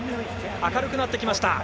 明るくなってきました！